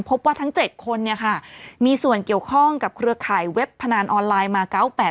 พบว่าทั้ง๗คนเนี่ยค่ะมีส่วนเกี่ยวข้องกับเครือข่ายเว็บพนันออนไลน์มา๙๘๘